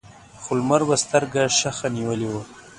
خو لمر به سترګه شخه نیولې وي.